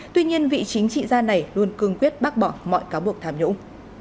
tuy nhiên vị chính trị gia này luôn cương quyết bác bỏ mọi cáo buộc tham nhũng